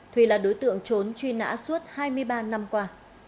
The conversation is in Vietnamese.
thùy là đối tượng trốn truy nã suốt hai mươi ba năm qua